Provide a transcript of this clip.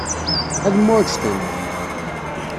Ad mɛujjtent.